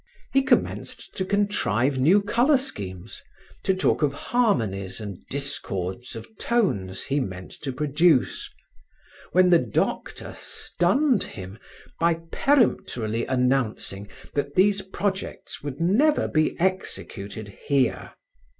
He commenced to contrive new color schemes, to talk of harmonies and discords of tones he meant to produce, when the doctor stunned him by peremptorily announcing that these projects would never be executed here.